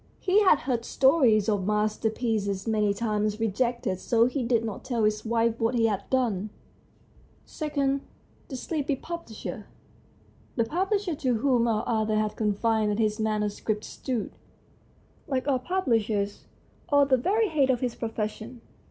He had heard stories of masterpieces many times rejected, so he did not tell his wife what he had done. II. THE SLEEPY PUBLISHER The publisher to whom our author had confided his manuscript stood, like all publishers, at the very head of his profession.